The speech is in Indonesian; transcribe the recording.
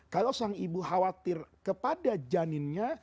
kalau sang ibu khawatir kepada janinnya